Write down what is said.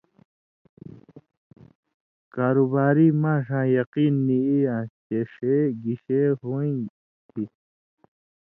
کاروباری ماݜاں یقین نی ای یان٘س چےۡ ݜے گِشے ہویں تھی